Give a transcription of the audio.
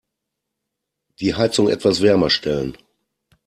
Die Heizung etwas wärmer stellen.